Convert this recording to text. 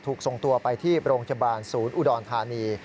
ถูกส่งตัวไปที่โรงพยาบาลศูนย์อุดรธานี